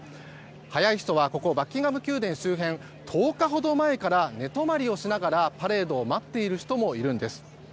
早い人はここバッキンガム宮殿周辺１０日ほど前から寝泊まりをしながらパレードを待っている人もいるんです。